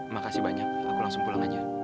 makasih banyak aku langsung pulang aja